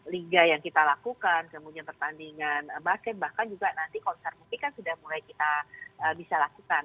liga yang kita lakukan kemudian pertandingan basket bahkan juga nanti konser musik kan sudah mulai kita bisa lakukan